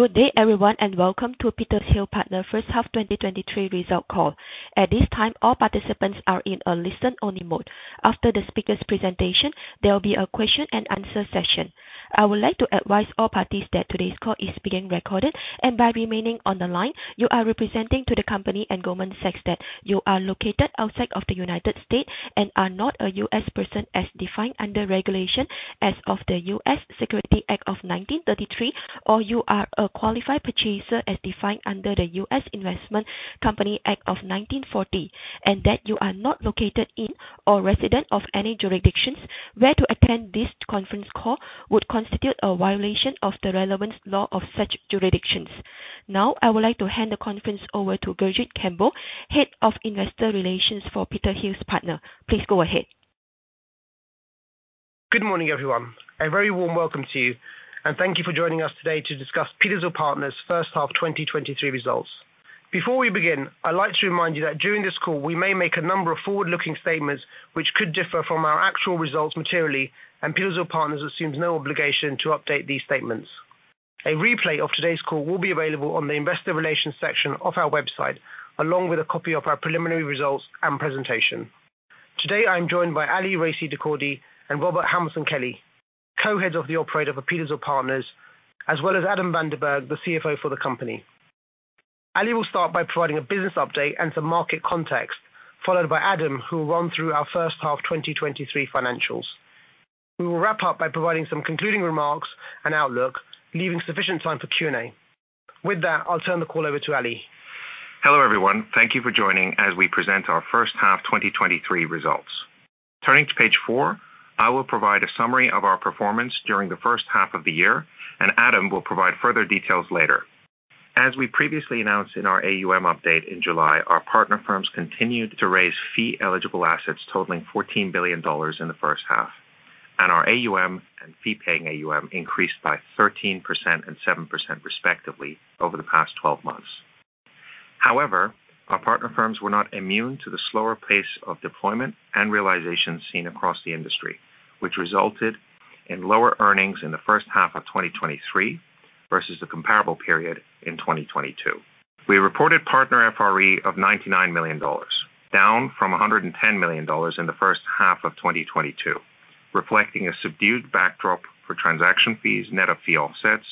Good day, everyone, and welcome to Petershill Partners' first half 2023 results call. At this time, all participants are in a listen-only mode. After the speaker's presentation, there will be a question-and-answer session. I would like to advise all parties that today's call is being recorded, and by remaining on the line, you are representing to the company and Goldman Sachs that you are located outside of the United States and are not a U.S. person as defined under Regulation S of the U.S. Securities Act of 1933, or you are a qualified purchaser as defined under the U.S. Investment Company Act of 1940, and that you are not located in or resident of any jurisdictions where to attend this conference call would constitute a violation of the relevant law of such jurisdictions. Now, I would like to hand the conference over to Gurjit Kambo, Head of Investor Relations for Petershill Partners. Please go ahead. Good morning, everyone. A very warm welcome to you, and thank you for joining us today to discuss Petershill Partners' first half 2023 results. Before we begin, I'd like to remind you that during this call, we may make a number of forward-looking statements which could differ from our actual results materially, and Petershill Partners assumes no obligation to update these statements. A replay of today's call will be available on the investor relations section of our website, along with a copy of our preliminary results and presentation. Today, I am joined by Ali Raissi-Dehkordy and Robert Hamilton Kelly, Co-Heads of the Operator for Petershill Partners, as well as Adam Van De Berghe, the CFO for the company. Ali will start by providing a business update and some market context, followed by Adam, who will run through our first half 2023 financials. We will wrap up by providing some concluding remarks and outlook, leaving sufficient time for Q&A. With that, I'll turn the call over to Ali. Hello, everyone. Thank you for joining as we present our first half 2023 results. Turning to page 4, I will provide a summary of our performance during the first half of the year, and Adam will provide further details later. As we previously announced in our AUM update in July, our partner firms continued to raise fee-eligible assets totaling $14 billion in the first half, and our AUM and fee-paying AUM increased by 13% and 7%, respectively, over the past 12 months. However, our partner firms were not immune to the slower pace of deployment and realization seen across the industry, which resulted in lower earnings in the first half of 2023 versus the comparable period in 2022. We reported partner FRE of $99 million, down from $110 million in the first half of 2022, reflecting a subdued backdrop for transaction fees, net of fee offsets,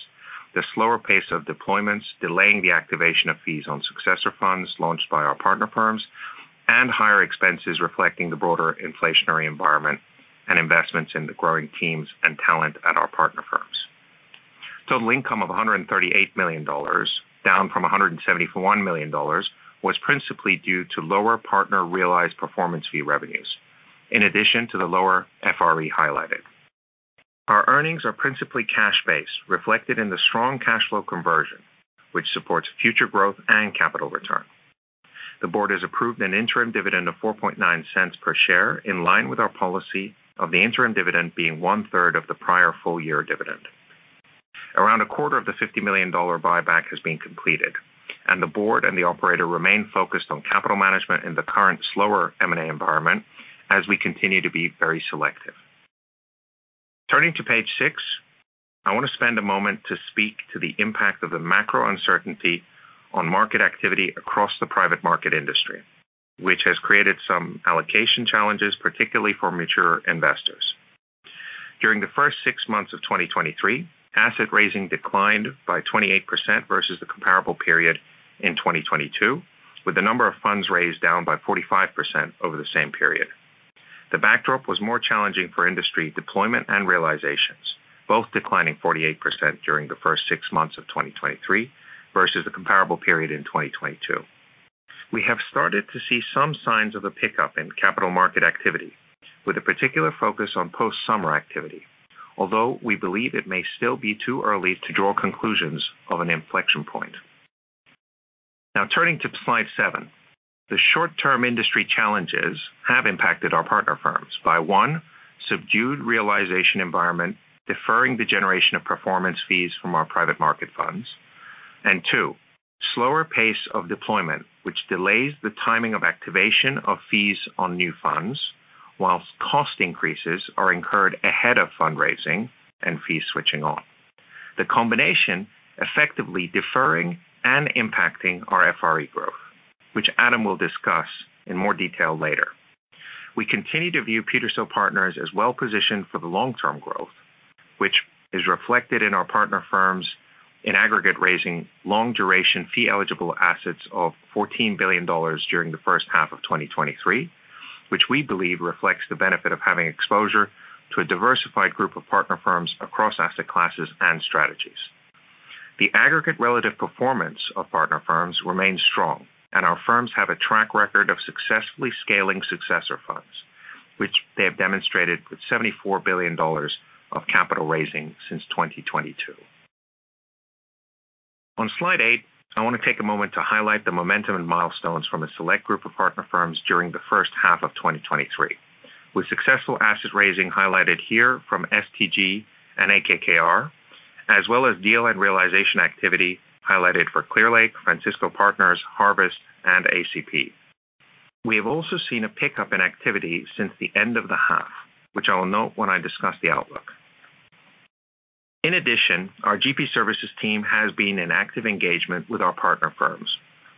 the slower pace of deployments, delaying the activation of fees on successor funds launched by our partner firms, and higher expenses reflecting the broader inflationary environment and investments in the growing teams and talent at our partner firms. Total income of $138 million, down from $171 million, was principally due to lower partner realized performance fee revenues. In addition to the lower FRE highlighted. Our earnings are principally cash based, reflected in the strong cash flow conversion, which supports future growth and capital return. The board has approved an interim dividend of $0.049 per share, in line with our policy of the interim dividend being one-third of the prior full-year dividend. Around a quarter of the $50 million buyback has been completed, and the board and the operator remain focused on capital management in the current slower M&A environment as we continue to be very selective. Turning to page 6, I want to spend a moment to speak to the impact of the macro uncertainty on market activity across the private market industry, which has created some allocation challenges, particularly for mature investors. During the first six months of 2023, asset raising declined by 28% versus the comparable period in 2022, with the number of funds raised down by 45% over the same period. The backdrop was more challenging for industry deployment and realizations, both declining 48% during the first six months of 2023 versus the comparable period in 2022. We have started to see some signs of a pickup in capital market activity, with a particular focus on post-summer activity, although we believe it may still be too early to draw conclusions of an inflection point. Now, turning to slide 7. The short-term industry challenges have impacted our partner firms by, one, subdued realization environment, deferring the generation of performance fees from our private market funds, and two, slower pace of deployment, which delays the timing of activation of fees on new funds, while cost increases are incurred ahead of fundraising and fee switching on. The combination effectively deferring and impacting our FRE growth, which Adam will discuss in more detail later. We continue to view Petershill Partners as well-positioned for the long-term growth, which is reflected in our partner firms in aggregate, raising long-duration, fee-eligible assets of $14 billion during the first half of 2023, which we believe reflects the benefit of having exposure to a diversified group of partner firms across asset classes and strategies. The aggregate relative performance of partner firms remains strong, and our firms have a track record of successfully scaling successor funds, which they have demonstrated with $74 billion of capital raising since 2022. On slide 8, I want to take a moment to highlight the momentum and milestones from a select group of partner firms during the first half of 2023, with successful asset raising highlighted here from STG and AKKR, as well as deal and realization activity highlighted for Clearlake, Francisco Partners, Harvest, and ACP. We have also seen a pickup in activity since the end of the half, which I will note when I discuss the outlook. In addition, our GP services team has been in active engagement with our partner firms,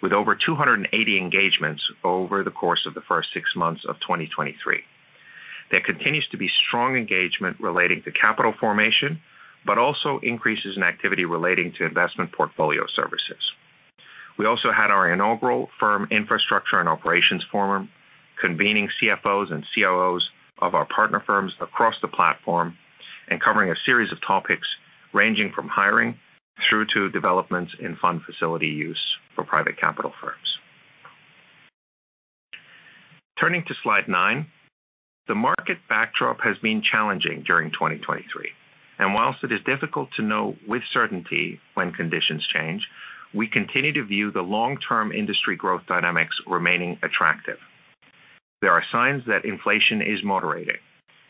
with over 280 engagements over the course of the first six months of 2023. There continues to be strong engagement relating to capital formation, but also increases in activity relating to investment portfolio services. We also had our inaugural firm infrastructure and operations forum, convening CFOs and COOs of our partner firms across the platform and covering a series of topics ranging from hiring through to developments in fund facility use for private capital firms. Turning to slide 9. The market backdrop has been challenging during 2023, and whilst it is difficult to know with certainty when conditions change, we continue to view the long-term industry growth dynamics remaining attractive. There are signs that inflation is moderating,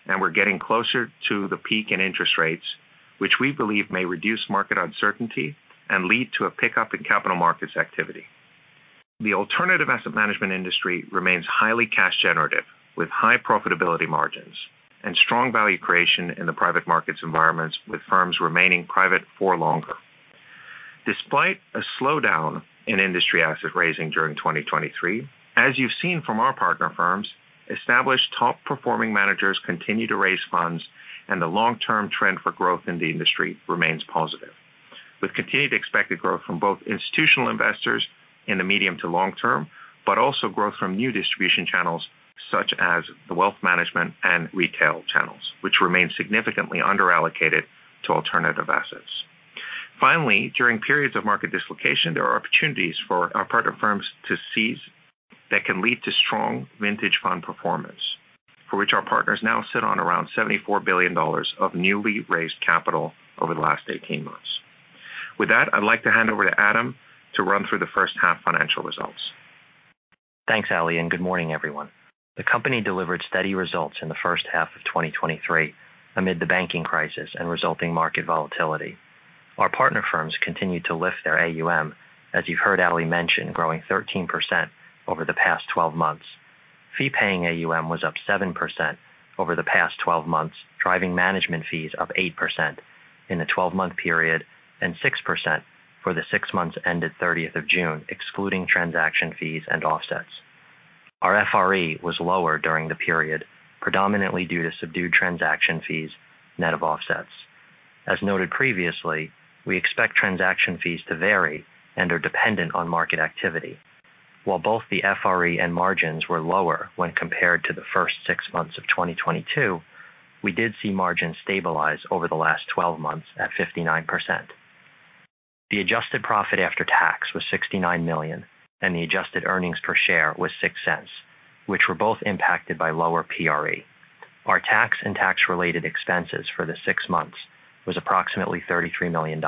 and we're getting closer to the peak in interest rates, which we believe may reduce market uncertainty and lead to a pickup in capital markets activity. The alternative asset management industry remains highly cash generative, with high profitability margins and strong value creation in the private markets environments, with firms remaining private for longer. Despite a slowdown in industry asset raising during 2023, as you've seen from our partner firms, established top-performing managers continue to raise funds, and the long-term trend for growth in the industry remains positive. We continue to expect the growth from both institutional investors in the medium to long term, but also growth from new distribution channels such as the wealth management and retail channels, which remain significantly underallocated to alternative assets. Finally, during periods of market dislocation, there are opportunities for our partner firms to seize that can lead to strong vintage fund performance, for which our partners now sit on around $74 billion of newly raised capital over the last 18 months. With that, I'd like to hand over to Adam to run through the first half financial results. Thanks, Ali, and good morning, everyone. The company delivered steady results in the first half of 2023 amid the banking crisis and resulting market volatility. Our partner firms continued to lift their AUM, as you've heard Ali mention, growing 13% over the past 12 months. fee-paying AUM was up 7% over the past 12 months, driving management fees of 8% in the 12-month period and 6% for the six months ended 30 June, excluding transaction fees and offsets. Our FRE was lower during the period, predominantly due to subdued transaction fees net of offsets. As noted previously, we expect transaction fees to vary and are dependent on market activity. While both the FRE and margins were lower when compared to the first six months of 2022, we did see margins stabilize over the last 12 months at 59%. The adjusted profit after tax was $69 million, and the adjusted earnings per share was $0.06, which were both impacted by lower PRE. Our tax and tax-related expenses for the six months was approximately $33 million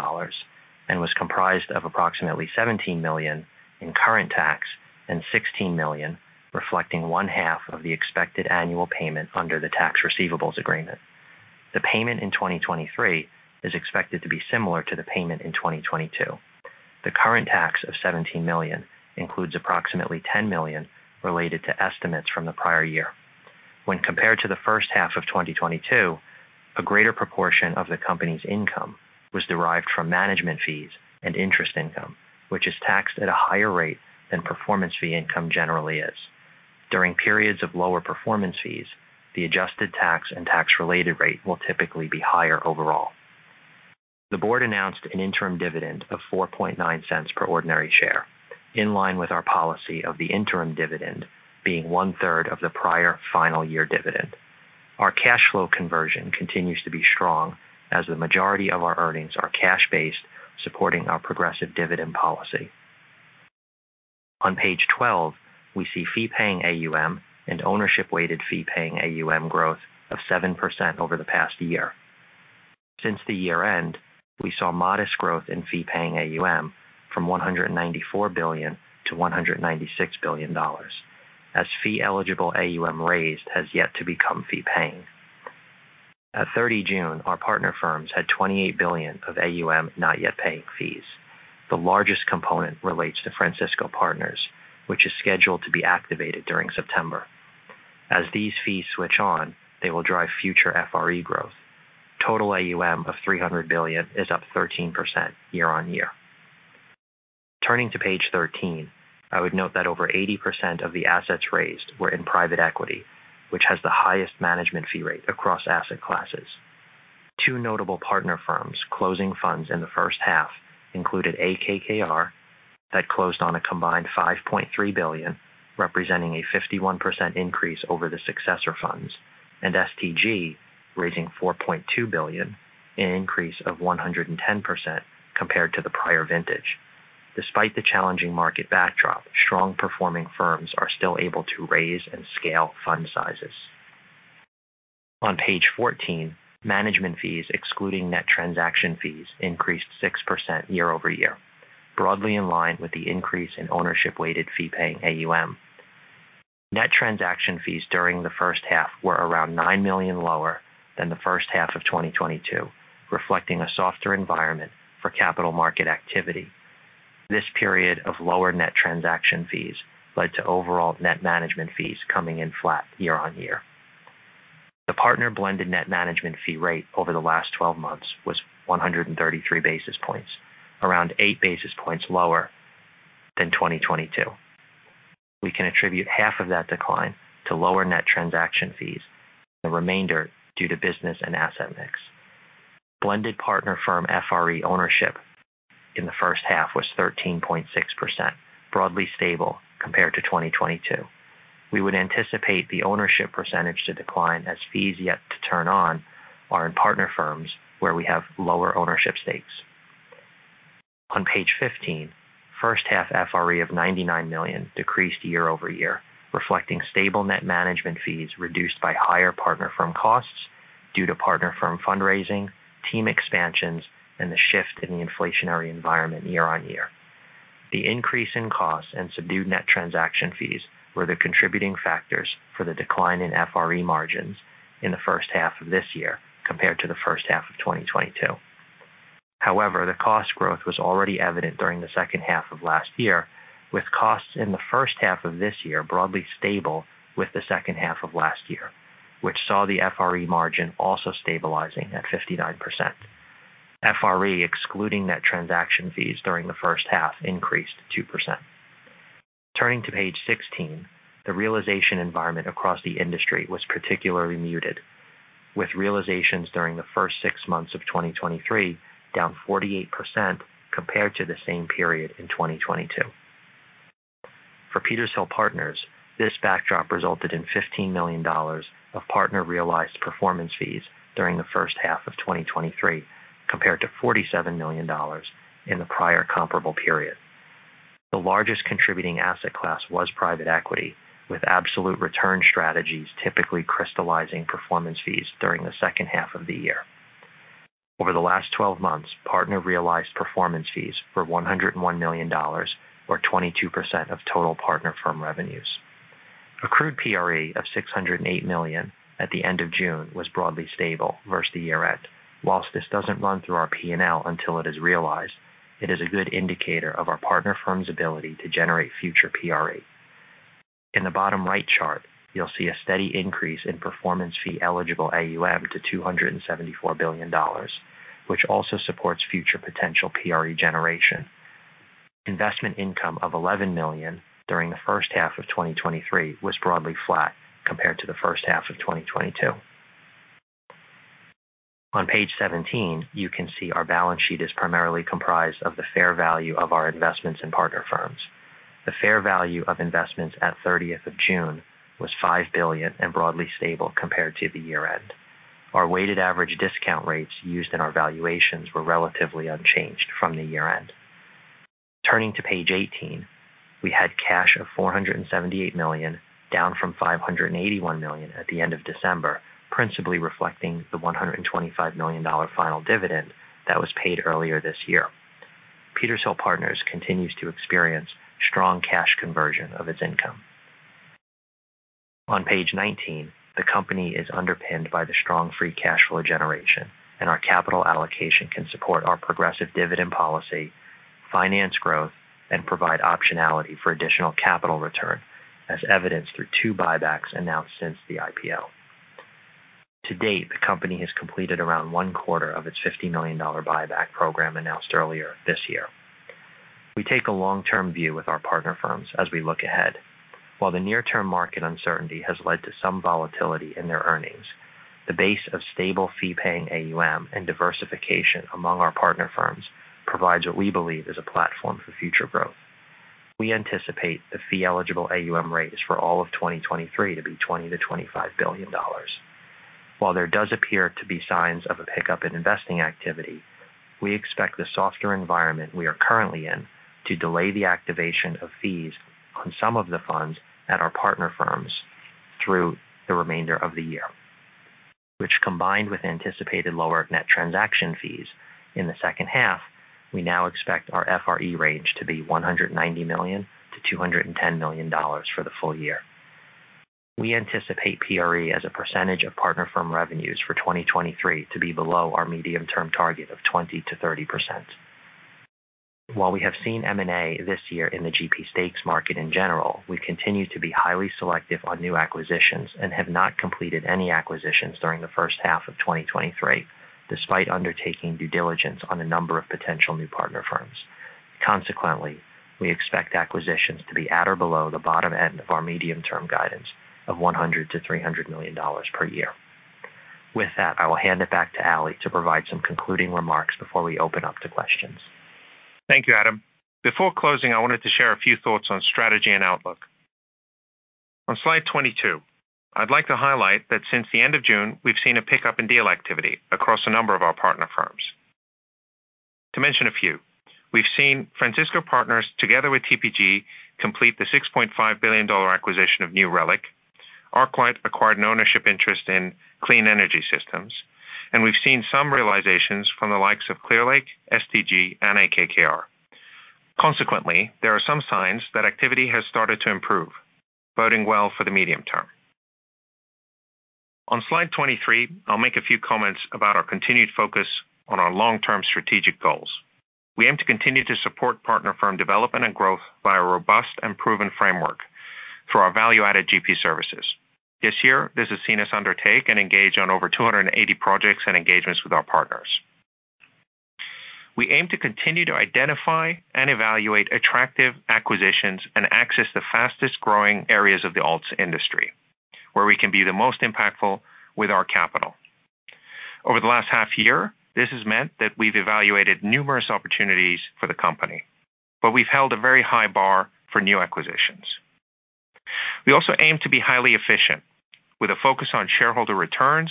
and was comprised of approximately $17 million in current tax and $16 million, reflecting one half of the expected annual payment under the Tax Receivable Agreement. The payment in 2023 is expected to be similar to the payment in 2022. The current tax of $17 million includes approximately $10 million related to estimates from the prior year. When compared to the first half of 2022, a greater proportion of the company's income was derived from management fees and interest income, which is taxed at a higher rate than performance fee income generally is. During periods of lower performance fees, the adjusted tax and tax-related rate will typically be higher overall. The board announced an interim dividend of $0.049 per ordinary share, in line with our policy of the interim dividend being one-third of the prior final year dividend. Our cash flow conversion continues to be strong as the majority of our earnings are cash-based, supporting our progressive dividend policy. On page 12, we see fee-paying AUM and ownership-weighted fee-paying AUM growth of 7% over the past year. Since the year-end, we saw modest growth in fee-paying AUM from $194 billion to $196 billion, as fee-eligible AUM raised has yet to become fee-paying. At 30 June, our partner firms had $28 billion of AUM, not yet paying fees. The largest component relates to Francisco Partners, which is scheduled to be activated during September. As these fees switch on, they will drive future FRE growth. Total AUM of $300 billion is up 13% year-on-year. Turning to page 13, I would note that over 80% of the assets raised were in private equity, which has the highest management fee rate across asset classes. Two notable partner firms closing funds in the first half included AKKR that closed on a combined $5.3 billion, representing a 51% increase over the successor funds, and STG, raising $4.2 billion, an increase of 110% compared to the prior vintage. Despite the challenging market backdrop, strong performing firms are still able to raise and scale fund sizes. On page 14, management fees, excluding net transaction fees, increased 6% year-over-year, broadly in line with the increase in ownership-weighted fee-paying AUM. Net transaction fees during the first half were around $9 million lower than the first half of 2022, reflecting a softer environment for capital market activity. This period of lower net transaction fees led to overall net management fees coming in flat year-on-year. The partner blended net management fee rate over the last twelve months was 133 basis points, around 8 basis points lower than 2022. We can attribute half of that decline to lower net transaction fees, the remainder due to business and asset mix. Blended partner firm FRE ownership in the first half was 13.6%, broadly stable compared to 2022. We would anticipate the ownership percentage to decline as fees yet to turn on are in partner firms where we have lower ownership stakes. On page 15, first half FRE of $99 million decreased year-over-year, reflecting stable net management fees reduced by higher partner firm costs due to partner firm fundraising, team expansions and the shift in the inflationary environment year-on-year. The increase in costs and subdued net transaction fees were the contributing factors for the decline in FRE margins in the first half of this year compared to the first half of 2022. However, the cost growth was already evident during the second half of last year, with costs in the first half of this year broadly stable with the second half of last year, which saw the FRE margin also stabilizing at 59%. FRE, excluding net transaction fees during the first half, increased 2%. Turning to page 16, the realization environment across the industry was particularly muted, with realizations during the first six months of 2023 down 48% compared to the same period in 2022. For Petershill Partners, this backdrop resulted in $15 million of partner realized performance fees during the first half of 2023, compared to $47 million in the prior comparable period. The largest contributing asset class was private equity, with absolute return strategies typically crystallizing performance fees during the second half of the year. Over the last 12 months, partner realized performance fees were $101 million, or 22% of total partner firm revenues. Accrued PRE of $608 million at the end of June was broadly stable versus the year-end. While this doesn't run through our P&L until it is realized, it is a good indicator of our partner firm's ability to generate future PRE. In the bottom right chart, you'll see a steady increase in performance fee eligible AUM to $274 billion, which also supports future potential PRE generation. Investment income of $11 million during the first half of 2023 was broadly flat compared to the first half of 2022. On page 17, you can see our balance sheet is primarily comprised of the fair value of our investments in partner firms. The fair value of investments at 30th of June was $5 billion and broadly stable compared to the year-end. Our weighted average discount rates used in our valuations were relatively unchanged from the year-end. Turning to page 18, we had cash of $478 million, down from $581 million at the end of December, principally reflecting the $125 million final dividend that was paid earlier this year. Petershill Partners continues to experience strong cash conversion of its income. On page 19, the company is underpinned by the strong free cash flow generation, and our capital allocation can support our progressive dividend policy, finance growth, and provide optionality for additional capital return, as evidenced through 2 buybacks announced since the IPO. To date, the company has completed around one quarter of its $50 million buyback program announced earlier this year. We take a long-term view with our partner firms as we look ahead. While the near-term market uncertainty has led to some volatility in their earnings, the base of stable fee-paying AUM and diversification among our partner firms provides what we believe is a platform for future growth. We anticipate the fee-eligible AUM rates for all of 2023 to be $20-$25 billion. While there does appear to be signs of a pickup in investing activity, we expect the softer environment we are currently in to delay the activation of fees on some of the funds at our partner firms through the remainder of the year, which, combined with anticipated lower net transaction fees in the second half, we now expect our FRE range to be $190 million-$210 million for the full year. We anticipate PRE as a percentage of partner firm revenues for 2023 to be below our medium-term target of 20%-30%. While we have seen M&A this year in the GP stakes market in general, we continue to be highly selective on new acquisitions and have not completed any acquisitions during the first half of 2023, despite undertaking due diligence on a number of potential new partner firms. Consequently, we expect acquisitions to be at or below the bottom end of our medium-term guidance of $100 million-$300 million per year. With that, I will hand it back to Ali to provide some concluding remarks before we open up to questions. Thank you, Adam. Before closing, I wanted to share a few thoughts on strategy and outlook. On slide 22, I'd like to highlight that since the end of June, we've seen a pickup in deal activity across a number of our partner firms. To mention a few, we've seen Francisco Partners, together with TPG, complete the $6.5 billion acquisition of New Relic. ArcLight acquired an ownership interest in clean energy systems, and we've seen some realizations from the likes of Clearlake, STG and AKKR. Consequently, there are some signs that activity has started to improve, boding well for the medium term. On slide 23, I'll make a few comments about our continued focus on our long-term strategic goals. We aim to continue to support partner firm development and growth by a robust and proven framework for our value-added GP services. This year, this has seen us undertake and engage on over 280 projects and engagements with our partners. We aim to continue to identify and evaluate attractive acquisitions and access the fastest-growing areas of the alts industry, where we can be the most impactful with our capital. Over the last half year, this has meant that we've evaluated numerous opportunities for the company, but we've held a very high bar for new acquisitions. We also aim to be highly efficient, with a focus on shareholder returns,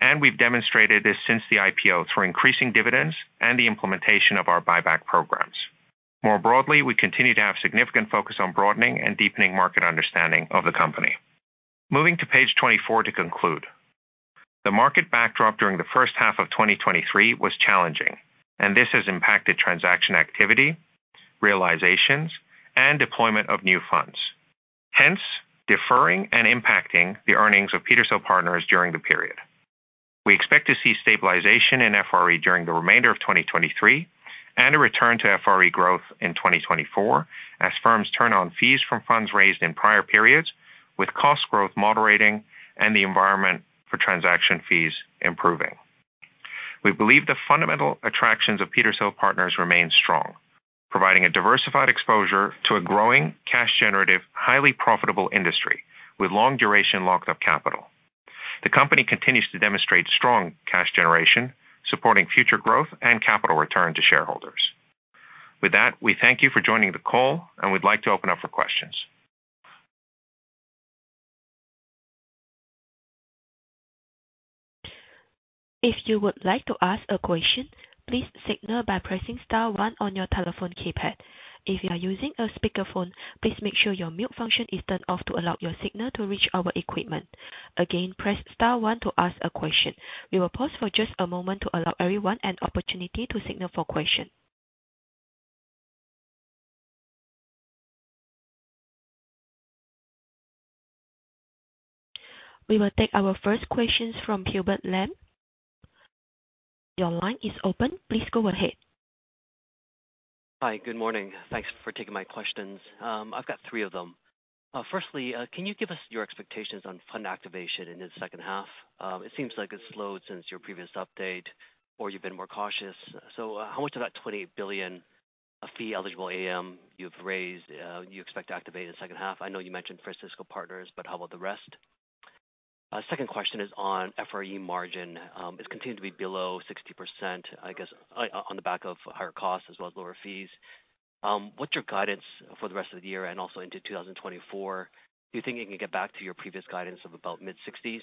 and we've demonstrated this since the IPO through increasing dividends and the implementation of our buyback programs. More broadly, we continue to have significant focus on broadening and deepening market understanding of the company. Moving to page 24 to conclude. The market backdrop during the first half of 2023 was challenging, and this has impacted transaction activity, realizations, and deployment of new funds, hence deferring and impacting the earnings of Petershill Partners during the period. We expect to see stabilization in FRE during the remainder of 2023 and a return to FRE growth in 2024 as firms turn on fees from funds raised in prior periods, with cost growth moderating and the environment for transaction fees improving. We believe the fundamental attractions of Petershill Partners remain strong, providing a diversified exposure to a growing, cash-generative, highly profitable industry with long duration lockup capital. The company continues to demonstrate strong cash generation, supporting future growth and capital return to shareholders. With that, we thank you for joining the call, and we'd like to open up for questions. If you would like to ask a question, please signal by pressing star one on your telephone keypad. If you are using a speakerphone, please make sure your mute function is turned off to allow your signal to reach our equipment. Again, press star one to ask a question. We will pause for just a moment to allow everyone an opportunity to signal for question. We will take our first questions from Hubert Lam. Your line is open. Please go ahead. Hi, good morning. Thanks for taking my questions. I've got three of them. Firstly, can you give us your expectations on fund activation in the second half? It seems like it's slowed since your previous update, or you've been more cautious. So how much of that $28 billion of fee-eligible AUM you've raised you expect to activate in the second half? I know you mentioned Francisco Partners, but how about the rest? Second question is on FRE margin. It's continued to be below 60%, I guess, on the back of higher costs as well as lower fees. What's your guidance for the rest of the year and also into 2024? Do you think you can get back to your previous guidance of about mid-60s?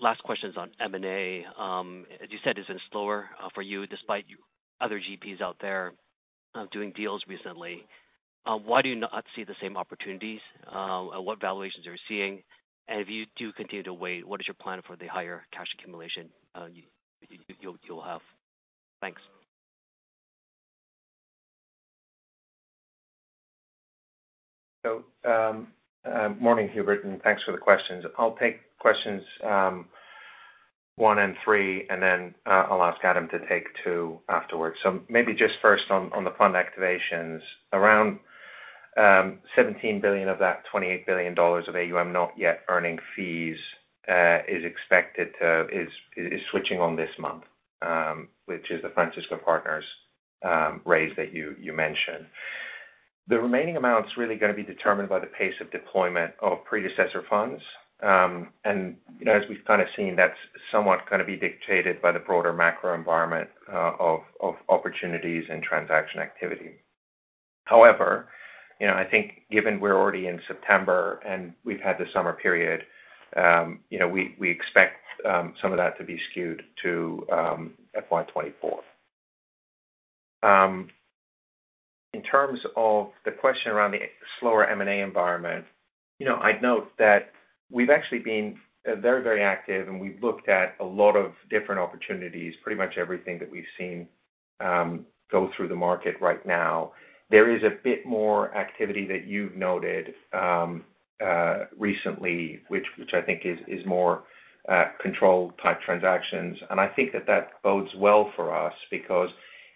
Last question is on M&A. As you said, it's been slower for you, despite other GPs out there doing deals recently. Why do you not see the same opportunities? What valuations are you seeing? And if you do continue to wait, what is your plan for the higher cash accumulation you'll have? Thanks. So, morning, Hubert, and thanks for the questions. I'll take questions one and three, and then I'll ask Adam to take two afterwards. So maybe just first on the fund activations. Around $17 billion of that $28 billion of AUM not yet earning fees is expected to—is switching on this month, which is the Francisco Partners raise that you mentioned. The remaining amount is really going to be determined by the pace of deployment of predecessor funds. And as we've kind of seen, that's somewhat going to be dictated by the broader macro environment of opportunities and transaction activity. However, you know, I think given we're already in September and we've had the summer period, you know, we expect some of that to be skewed to FY 2024. In terms of the question around the slower M&A environment, you know, I'd note that we've actually been very, very active, and we've looked at a lot of different opportunities, pretty much everything that we've seen go through the market right now. There is a bit more activity that you've noted recently, which I think is more control type transactions. And I think that bodes well for us because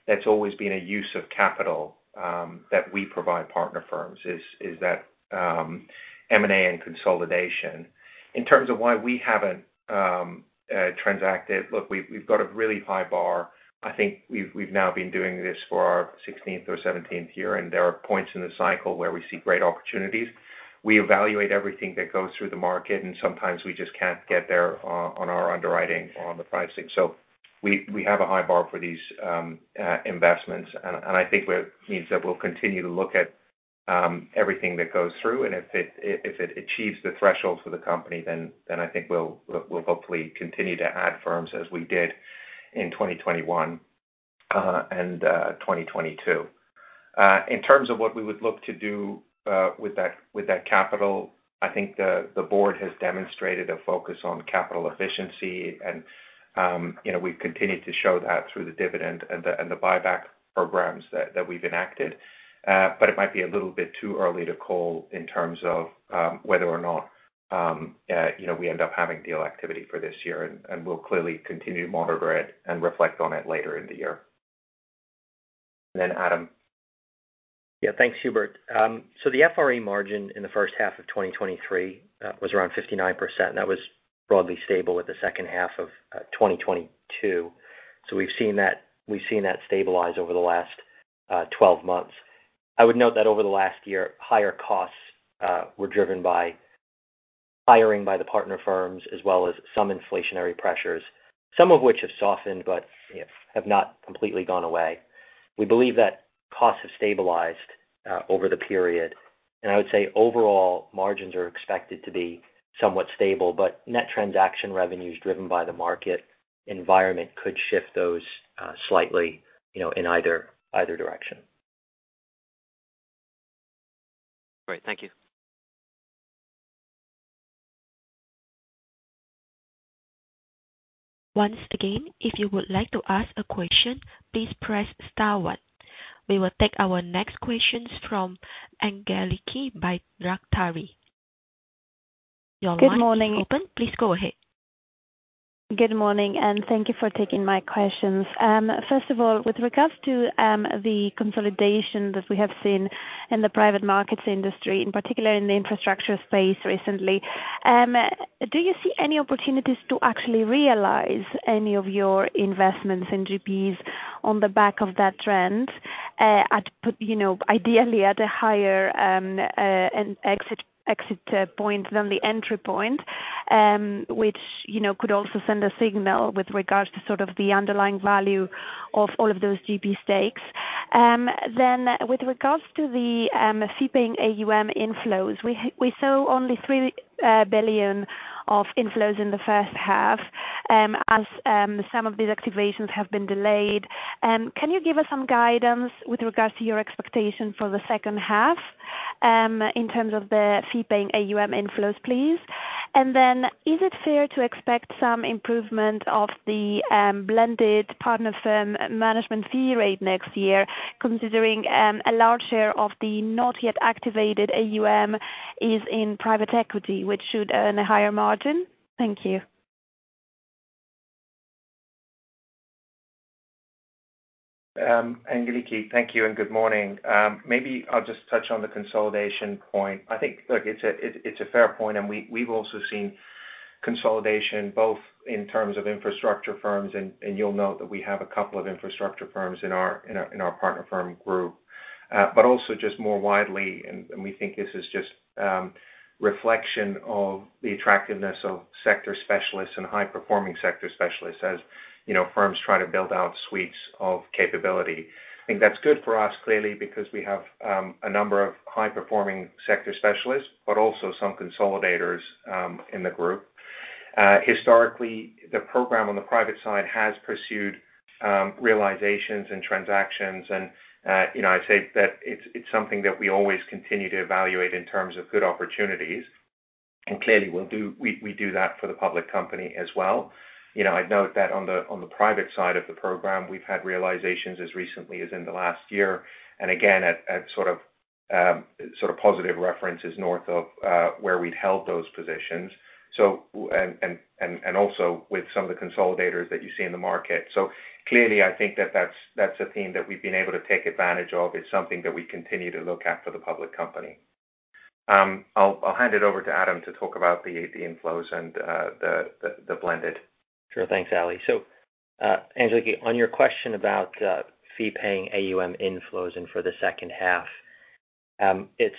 that's always been a use of capital that we provide partner firms, is that M&A and consolidation. In terms of why we haven't transacted, look, we've got a really high bar. I think we've now been doing this for our sixteenth or seventeenth year, and there are points in the cycle where we see great opportunities. We evaluate everything that goes through the market, and sometimes we just can't get there on our underwriting or on the pricing. So we have a high bar for these investments, and I think it means that we'll continue to look at everything that goes through, and if it achieves the threshold for the company, then I think we'll hopefully continue to add firms as we did in 2021 and 2022. In terms of what we would look to do with that capital, I think the board has demonstrated a focus on capital efficiency and, you know, we've continued to show that through the dividend and the buyback programs that we've enacted. But it might be a little bit too early to call in terms of whether or not, you know, we end up having deal activity for this year, and we'll clearly continue to monitor it and reflect on it later in the year... And then Adam. Yeah, thanks, Hubert. So the FRE margin in the first half of 2023 was around 59%, and that was broadly stable at the second half of 2022. So we've seen that, we've seen that stabilize over the last 12 months. I would note that over the last year, higher costs were driven by hiring by the partner firms, as well as some inflationary pressures, some of which have softened but, you know, have not completely gone away. We believe that costs have stabilized over the period, and I would say overall margins are expected to be somewhat stable, but net transaction revenues, driven by the market environment, could shift those slightly, you know, in either, either direction. Great. Thank you. Once again, if you would like to ask a question, please press star one. We will take our next questions from Angeliki Bairaktari. Your line is open. Good morning. Please go ahead. Good morning, and thank you for taking my questions. First of all, with regards to the consolidation that we have seen in the private markets industry, in particular in the infrastructure space recently, do you see any opportunities to actually realize any of your investments in GPs on the back of that trend, at, you know, ideally at a higher exit point than the entry point, which, you know, could also send a signal with regards to sort of the underlying value of all of those GP stakes? Then with regards to the fee-paying AUM inflows, we saw only $3 billion of inflows in the first half, as some of these activations have been delayed. Can you give us some guidance with regards to your expectation for the second half, in terms of the fee-paying AUM inflows, please? And then is it fair to expect some improvement of the, blended partner firm management fee rate next year, considering, a large share of the not yet activated AUM is in private equity, which should earn a higher margin? Thank you. Angeliki, thank you and good morning. Maybe I'll just touch on the consolidation point. I think, look, it's a fair point, and we've also seen consolidation both in terms of infrastructure firms, and you'll note that we have a couple of infrastructure firms in our partner firm group. But also just more widely, and we think this is just reflection of the attractiveness of sector specialists and high-performing sector specialists, as you know, firms try to build out suites of capability. I think that's good for us, clearly, because we have a number of high-performing sector specialists, but also some consolidators in the group. Historically, the program on the private side has pursued realizations and transactions and, you know, I'd say that it's something that we always continue to evaluate in terms of good opportunities. And clearly, we'll do—we do that for the public company as well. You know, I'd note that on the private side of the program, we've had realizations as recently as in the last year, and again, at sort of positive references north of where we'd held those positions. So, and also with some of the consolidators that you see in the market. So clearly, I think that that's a theme that we've been able to take advantage of. It's something that we continue to look at for the public company. I'll hand it over to Adam to talk about the inflows and the blended. Sure. Thanks, Ali. So, Angeliki, on your question about fee-paying AUM inflows and for the second half, it's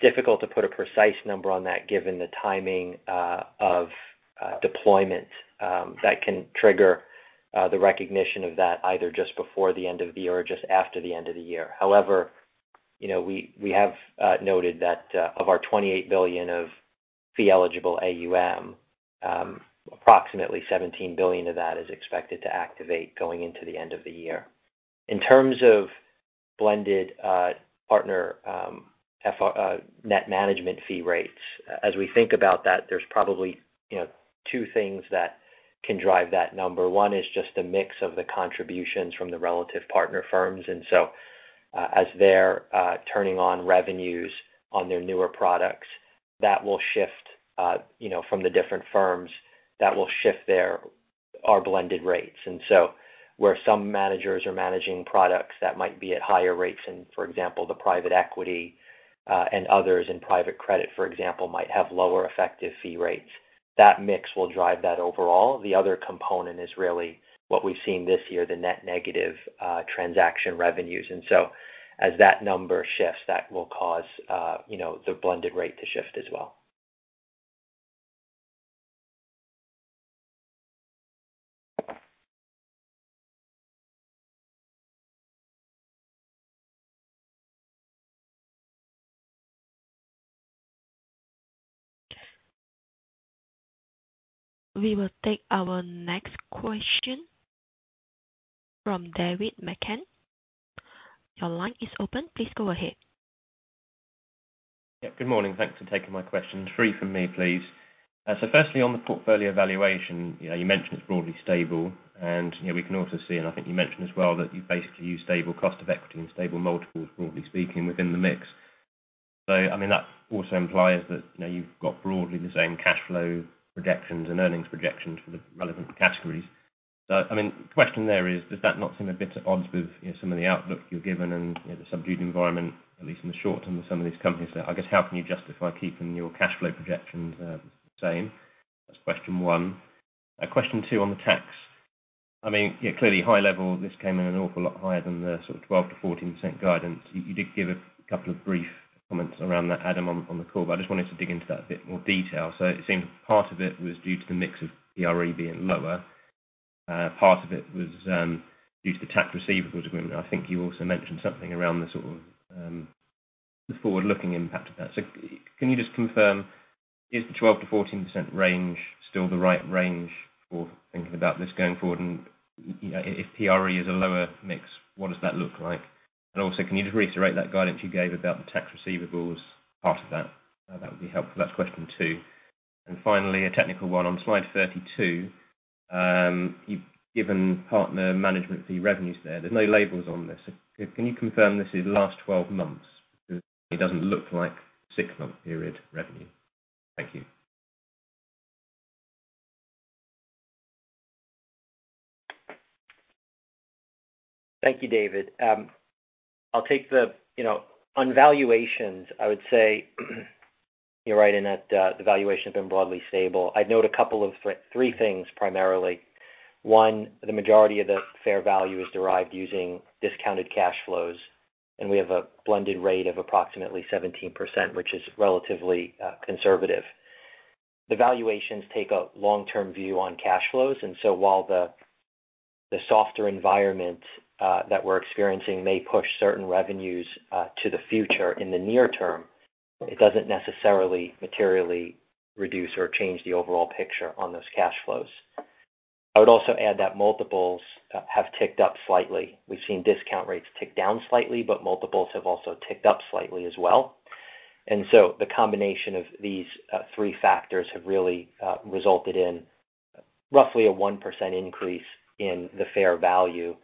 difficult to put a precise number on that given the timing of deployment that can trigger the recognition of that, either just before the end of the year or just after the end of the year. However, you know, we have noted that of our $28 billion of fee-eligible AUM, approximately $17 billion of that is expected to activate going into the end of the year. In terms of blended partner FR net management fee rates, as we think about that, there's probably, you know, two things that can drive that number. One is just a mix of the contributions from the relative partner firms, and so, as they're turning on revenues on their newer products, that will shift, you know, from the different firms, that will shift their... our blended rates. And so where some managers are managing products that might be at higher rates and, for example, the private equity, and others in private credit, for example, might have lower effective fee rates, that mix will drive that overall. The other component is really what we've seen this year, the net negative transaction revenues. And so as that number shifts, that will cause, you know, the blended rate to shift as well. We will take our next question from David McCann. Your line is open. Please go ahead. Yeah, good morning. Thanks for taking my questions. Three from me, please. So firstly, on the portfolio valuation, you know, you mentioned it's broadly stable, and, you know, we can also see, and I think you mentioned as well, that you basically use stable cost of equity and stable multiples, broadly speaking, within the mix.... So, I mean, that also implies that, you know, you've got broadly the same cash flow projections and earnings projections for the relevant categories. So, I mean, the question there is, does that not seem a bit at odds with, you know, some of the outlook you've given and, you know, the subdued environment, at least in the short term, of some of these companies? I guess, how can you justify keeping your cash flow projections, the same? That's question one. Question two on the tax. I mean, yeah, clearly high level, this came in an awful lot higher than the sort of 12%-14% guidance. You, you did give a couple of brief comments around that, Adam, on, on the call, but I just wanted to dig into that in a bit more detail. So it seems part of it was due to the mix of PRE being lower, part of it was due to the Tax Receivables Agreement. I think you also mentioned something around the sort of the forward-looking impact of that. So can you just confirm, is the 12%-14% range still the right range for thinking about this going forward? And, you know, if PRE is a lower mix, what does that look like? And also, can you just reiterate that guidance you gave about the Tax Receivables part of that? That would be helpful. That's question two. And finally, a technical one. On slide 32, you've given partner management fee revenues there. There's no labels on this. Can you confirm this is the last 12 months? It doesn't look like 6-month period revenue. Thank you. Thank you, David. I'll take the... You know, on valuations, I would say, you're right in that, the valuation has been broadly stable. I'd note a couple of three things primarily. One, the majority of the fair value is derived using discounted cash flows, and we have a blended rate of approximately 17%, which is relatively conservative. The valuations take a long-term view on cash flows, and so while the softer environment that we're experiencing may push certain revenues to the future in the near term, it doesn't necessarily materially reduce or change the overall picture on those cash flows. I would also add that multiples have ticked up slightly. We've seen discount rates tick down slightly, but multiples have also ticked up slightly as well. So the combination of these three factors have really resulted in roughly a 1% increase in the fair value.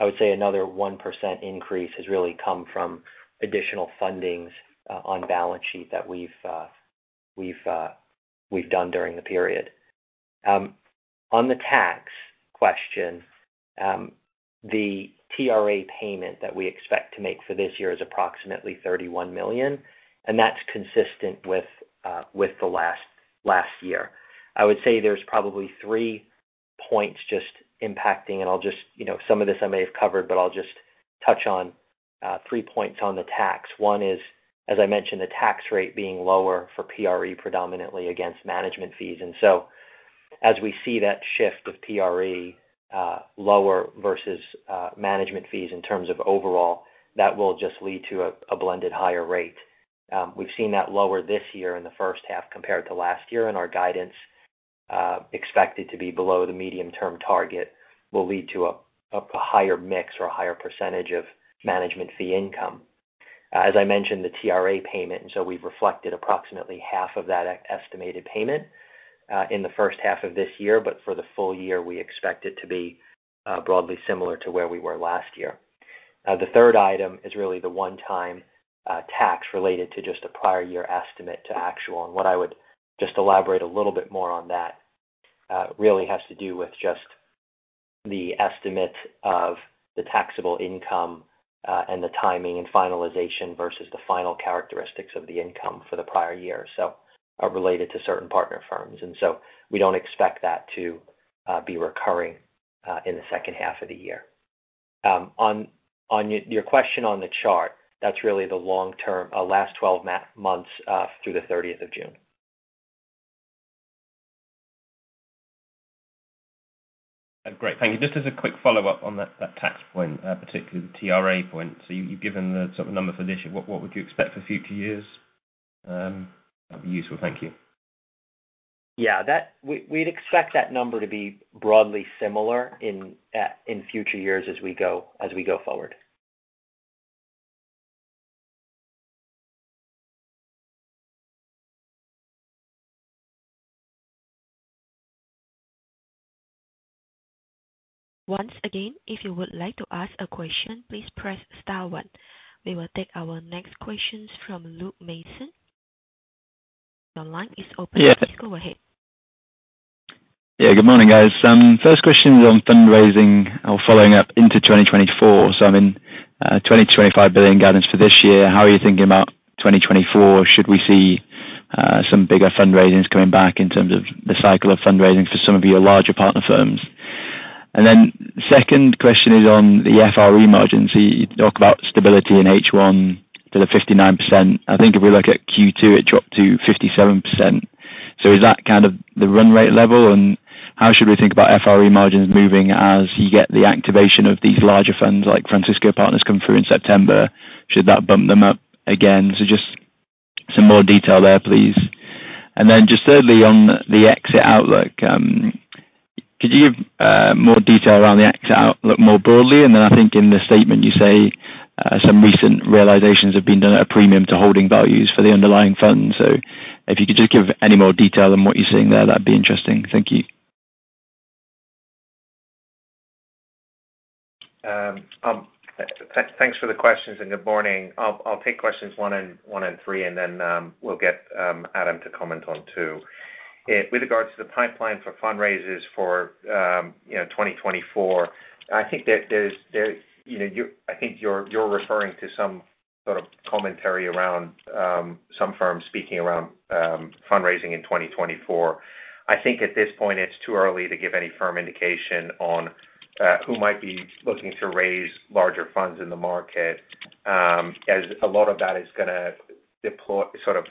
I would say another 1% increase has really come from additional fundings on balance sheet that we've done during the period. On the tax question, the TRA payment that we expect to make for this year is approximately $31 million, and that's consistent with the last year. I would say there's probably three points just impacting, and I'll just—you know, some of this I may have covered, but I'll just touch on three points on the tax. One is, as I mentioned, the tax rate being lower for PRE, predominantly against management fees. As we see that shift of PRE lower versus management fees in terms of overall, that will just lead to a blended higher rate. We've seen that lower this year in the first half compared to last year, and our guidance expected to be below the medium-term target will lead to a higher mix or a higher percentage of management fee income. As I mentioned, the TRA payment, and so we've reflected approximately half of that estimated payment in the first half of this year, but for the full year, we expect it to be broadly similar to where we were last year. The third item is really the one-time tax related to just a prior year estimate to actual. What I would just elaborate a little bit more on that really has to do with just the estimate of the taxable income and the timing and finalization versus the final characteristics of the income for the prior year, so related to certain partner firms. So we don't expect that to be recurring in the second half of the year. On your question on the chart, that's really the long term, last 12 months through the 30 June. Great. Thank you. Just as a quick follow-up on that, that tax point, particularly the TRA point. So you've given the sort of number for this year. What would you expect for future years? That'd be useful. Thank you. Yeah, that—we, we'd expect that number to be broadly similar in, in future years as we go, as we go forward. Once again, if you would like to ask a question, please press star one. We will take our next questions from Luke Mason. Your line is open. Yeah. Please go ahead. Yeah. Good morning, guys. First question is on fundraising or following up into 2024. So I mean, $20-$25 billion guidance for this year, how are you thinking about 2024? Should we see some bigger fundraisings coming back in terms of the cycle of fundraising for some of your larger partner firms? And then second question is on the FRE margins. You talk about stability in H1 to the 59%. I think if we look at Q2, it dropped to 57%. So is that kind of the run rate level? And how should we think about FRE margins moving as you get the activation of these larger funds, like Francisco Partners, come through in September? Should that bump them up again? So just some more detail there, please. And then just thirdly, on the exit outlook, could you give more detail around the exit outlook more broadly? And then I think in the statement you say, some recent realizations have been done at a premium to holding values for the underlying fund. So if you could just give any more detail on what you're seeing there, that'd be interesting. Thank you. Thanks for the questions, and good morning. I'll take questions one and three, and then we'll get Adam to comment on two. With regards to the pipeline for fundraisers for, you know, 2024, I think that there's. You know, I think you're referring to some sort of commentary around some firms speaking around fundraising in 2024. I think at this point, it's too early to give any firm indication on who might be looking to raise larger funds in the market, as a lot of that is gonna deploy, sort of,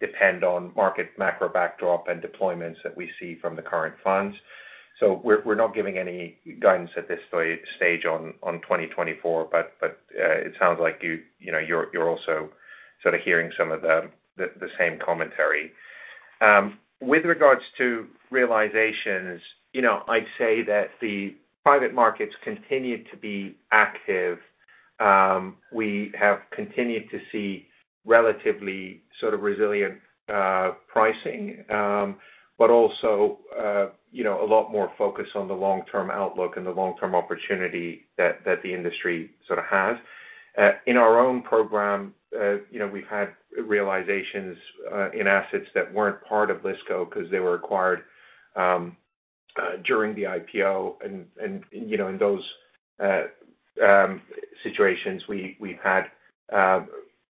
depend on market macro backdrop and deployments that we see from the current funds. So we're not giving any guidance at this stage on 2024, but it sounds like you know, you're also sort of hearing some of the same commentary. With regards to realizations, you know, I'd say that the private markets continue to be active. We have continued to see relatively sort of resilient pricing, but also you know, a lot more focus on the long-term outlook and the long-term opportunity that the industry sort of has. In our own program, you know, we've had realizations in assets that weren't part of LSE because they were acquired during the IPO. And you know, in those situations, we've had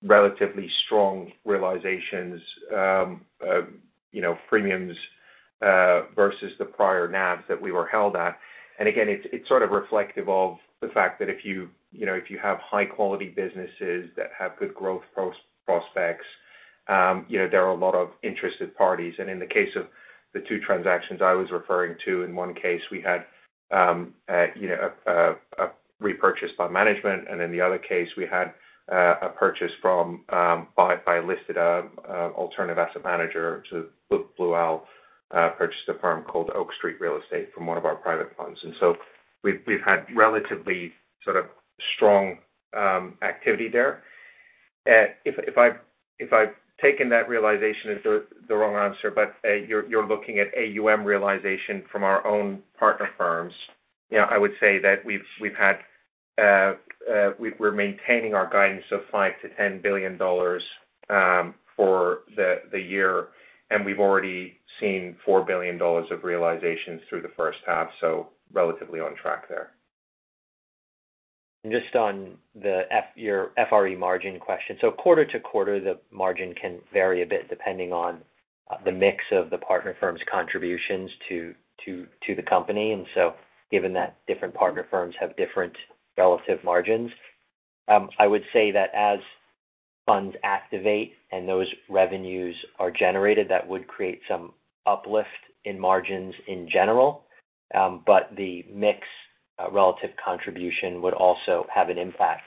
relatively strong realizations, you know, premiums versus the prior NAVs that we were held at. And again, it's sort of reflective of the fact that if you, you know, if you have high-quality businesses that have good growth prospects, you know, there are a lot of interested parties. And in the case of the two transactions I was referring to, in one case we had, you know, a repurchase by management, and in the other case, we had a purchase by a listed alternative asset manager. Blue Owl purchased a firm called Oak Street Real Estate from one of our private funds. And so we've had relatively sort of strong activity there. If I've taken that realization as the wrong answer, but you're looking at AUM realization from our own partner firms, you know, I would say that we've had, we're maintaining our guidance of $5 billion-$10 billion for the year, and we've already seen $4 billion of realizations through the first half, so relatively on track there. Just on the FRE margin question. So quarter to quarter, the margin can vary a bit depending on the mix of the partner firms' contributions to the company. And so given that different partner firms have different relative margins, I would say that as funds activate and those revenues are generated, that would create some uplift in margins in general. But the mix relative contribution would also have an impact.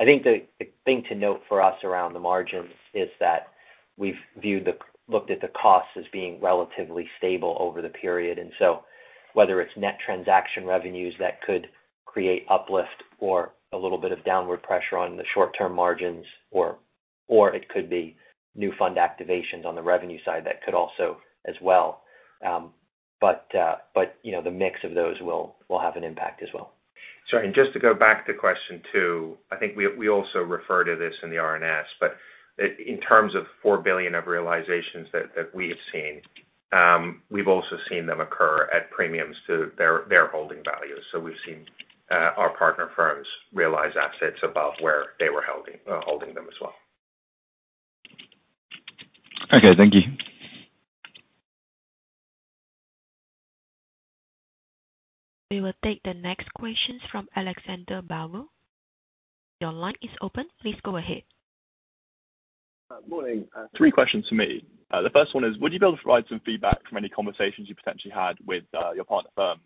I think the thing to note for us around the margins is that we've looked at the costs as being relatively stable over the period, and so whether it's net transaction revenues that could create uplift or a little bit of downward pressure on the short-term margins, or it could be new fund activations on the revenue side, that could also as well. But, you know, the mix of those will have an impact as well. Sorry, and just to go back to question two, I think we also refer to this in the RNS, but in terms of $4 billion of realizations that we have seen, we've also seen them occur at premiums to their holding values. So we've seen our partner firms realize assets above where they were holding them as well. Okay, thank you. We will take the next questions from Alexander Barrow. Your line is open. Please go ahead. Morning. Three questions for me. The first one is, would you be able to provide some feedback from any conversations you potentially had with your partner firms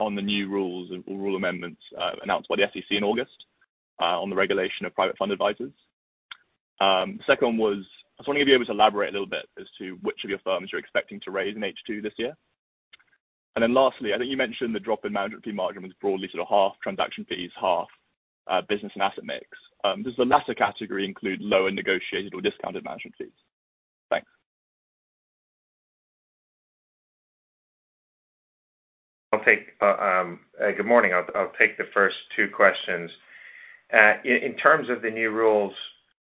on the new rules or rule amendments announced by the SEC in August on the regulation of private fund advisors? Second was, I was wondering if you'd be able to elaborate a little bit as to which of your firms you're expecting to raise in H2 this year. And then lastly, I think you mentioned the drop in management fee margin was broadly sort of half transaction fees, half business and asset mix. Does the latter category include lower negotiated or discounted management fees? Thanks. Good morning. I'll take the first two questions. In terms of the new rules,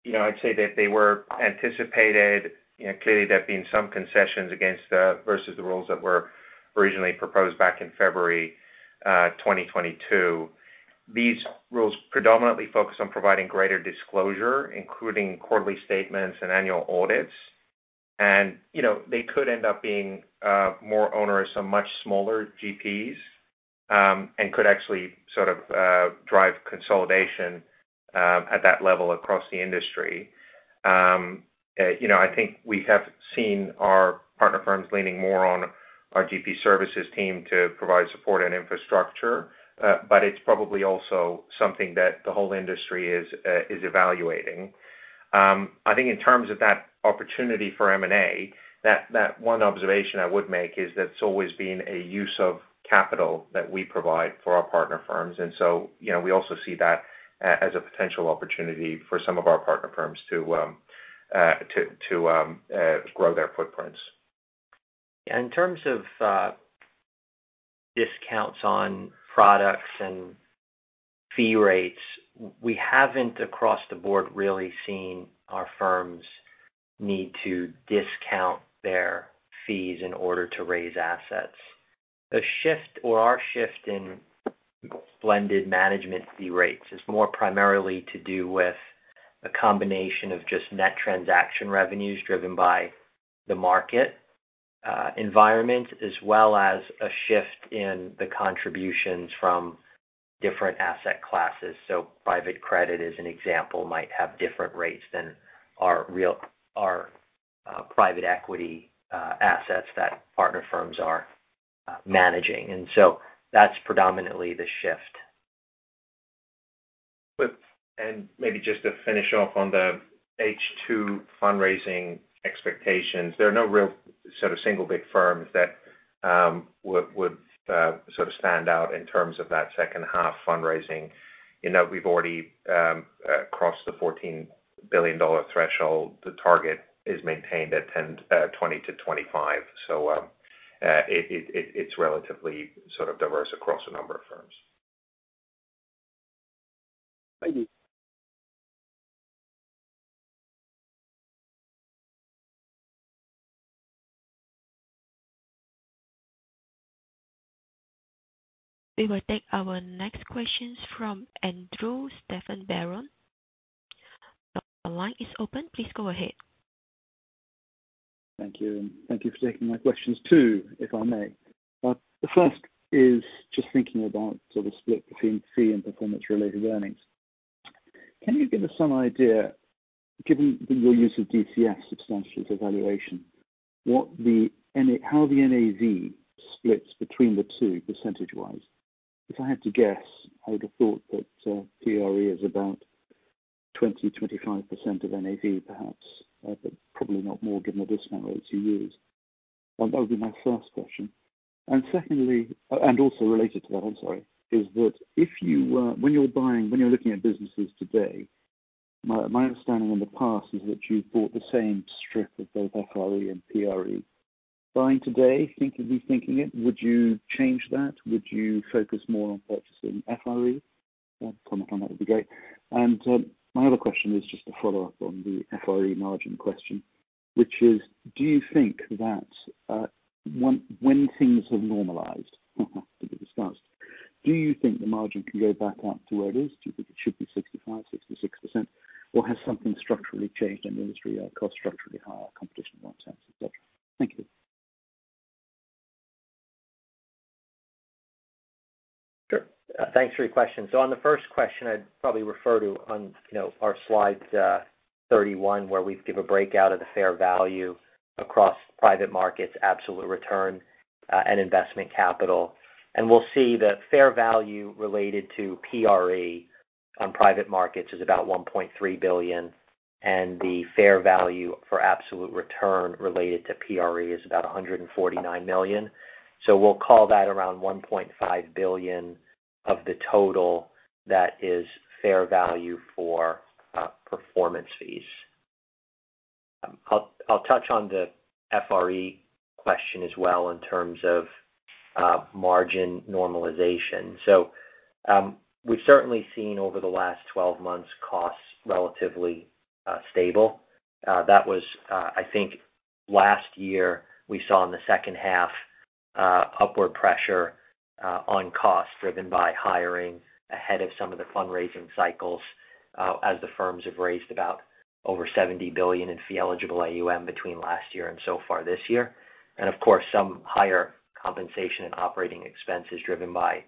you know, I'd say that they were anticipated. You know, clearly, there have been some concessions against the versus the rules that were originally proposed back in February 2022. These rules predominantly focus on providing greater disclosure, including quarterly statements and annual audits. You know, they could end up being more onerous on much smaller GPs and could actually sort of drive consolidation at that level across the industry. You know, I think we have seen our partner firms leaning more on our GP services team to provide support and infrastructure, but it's probably also something that the whole industry is evaluating. I think in terms of that opportunity for M&A, that one observation I would make is that's always been a use of capital that we provide for our partner firms. And so, you know, we also see that as a potential opportunity for some of our partner firms to grow their footprints.... Yeah, in terms of discounts on products and fee rates, we haven't, across the board, really seen our firms need to discount their fees in order to raise assets. The shift or our shift in blended management fee rates is more primarily to do with a combination of just net transaction revenues driven by the market environment, as well as a shift in the contributions from different asset classes. So private credit, as an example, might have different rates than our private equity assets that partner firms are managing. And so that's predominantly the shift. But and maybe just to finish off on the H2 fundraising expectations, there are no real sort of single big firms that would sort of stand out in terms of that second half fundraising. You know, we've already crossed the $14 billion threshold. The target is maintained at $20-$25. So it's relatively sort of diverse across a number of firms. Thank you. We will take our next questions from [Andrew Stephan Baron]. The line is open. Please go ahead. Thank you. And thank you for taking my questions, too, if I may. The first is just thinking about sort of split between fee and performance-related earnings. Can you give us some idea, given your use of DCF substantially to valuation, what the NAV splits between the two percentage-wise? If I had to guess, I would have thought that PRE is about 20%-25% of NAV, perhaps, but probably not more given the discount over two years. That would be my first question. And secondly, and also related to that, I'm sorry, is that if you... When you're buying, when you're looking at businesses today, my, my understanding in the past is that you've bought the same strip of both FRE and PRE. Buying today, rethinking it, would you change that? Would you focus more on purchasing FRE? A comment on that would be great. My other question is just a follow-up on the FRE margin question, which is: Do you think that, when things have normalized, to be discussed, do you think the margin can go back up to where it is? Do you think it should be 65%-66%, or has something structurally changed in the industry or cost structurally higher, competition, whatnot, et cetera? Thank you. Sure. Thanks for your question. So on the first question, I'd probably refer to on, you know, our slide 31, where we give a breakout of the fair value across private markets, absolute return, and investment capital. And we'll see the fair value related to PRE on private markets is about $1.3 billion, and the fair value for absolute return related to PRE is about $149 million. So we'll call that around $1.5 billion of the total that is fair value for performance fees. I'll touch on the FRE question as well in terms of margin normalization. So we've certainly seen over the last 12 months, costs relatively stable. That was, I think last year, we saw in the second half, upward pressure on costs driven by hiring ahead of some of the fundraising cycles, as the firms have raised about over $70 billion in fee-eligible AUM between last year and so far this year. And of course, some higher compensation and operating expenses driven by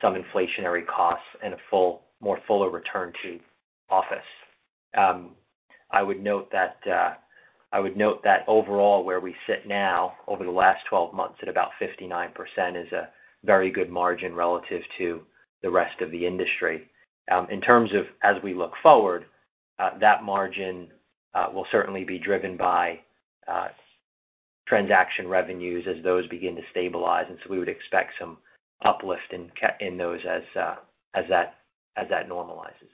some inflationary costs and a full, more fuller return to office. I would note that, I would note that overall, where we sit now over the last 12 months at about 59% is a very good margin relative to the rest of the industry. In terms of as we look forward, that margin will certainly be driven by transaction revenues as those begin to stabilize, and so we would expect some uplift in those as that normalizes.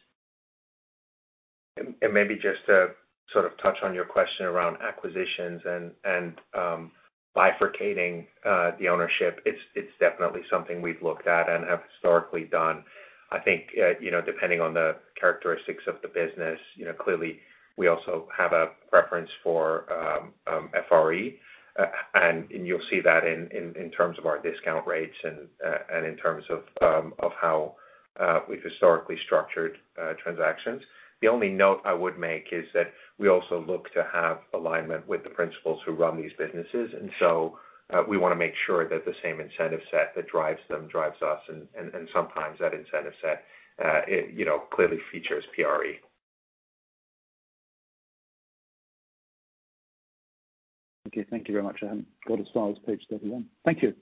And maybe just to sort of touch on your question around acquisitions and bifurcating the ownership. It's definitely something we've looked at and have historically done. I think, you know, depending on the characteristics of the business, you know, clearly, we also have a preference for FRE, and you'll see that in terms of our discount rates and in terms of how we've historically structured transactions. The only note I would make is that we also look to have alignment with the principals who run these businesses. So we want to make sure that the same incentive set that drives them drives us, and sometimes that incentive set, you know, clearly features PRE. Okay. Thank you very much. I haven't got as far as page 31. Thank you.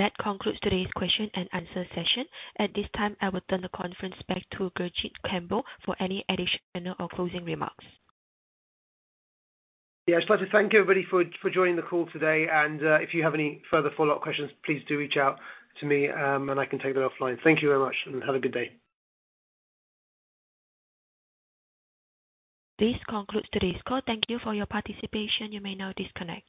That concludes today's question-and-answer session. At this time, I will turn the conference back to Gurjit Kambo for any additional or closing remarks. Yeah, I'd like to thank everybody for joining the call today, and if you have any further follow-up questions, please do reach out to me, and I can take that offline. Thank you very much, and have a good day. This concludes today's call. Thank you for your participation. You may now disconnect.